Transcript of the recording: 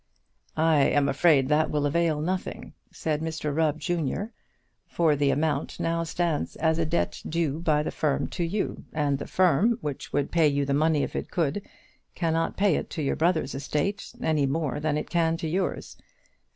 "I am afraid that that will avail nothing," said Mr Rubb, junior, "for the amount now stands as a debt due by the firm to you, and the firm, which would pay you the money if it could, cannot pay it to your brother's estate any more than it can to yours."